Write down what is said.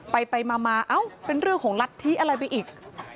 ไปมาเอ้าเป็นเรื่องของรัฐธิอะไรไปอีก